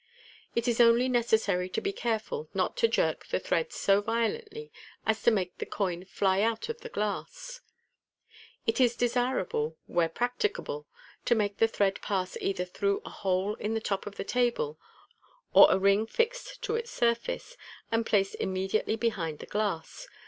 It is only necessary to be care ful not to jerk the thread so violently as to make the coin fly out of the glass. It is desirable, where practicable, to make the thread pass i86 MODERN MAGIC. either through a hole in the top of the table, or a ring fixed to its sur face and placed immediately behind the glass.